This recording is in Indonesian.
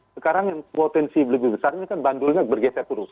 sekarang yang potensi lebih besar ini kan bandulnya bergeser terus